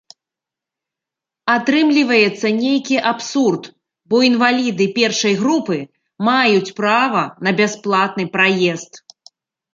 Атрымліваецца нейкі абсурд, бо інваліды першай групы маюць права на бясплатны праезд.